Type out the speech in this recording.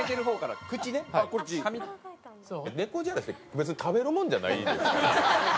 猫じゃらしって別に食べるもんじゃないですから。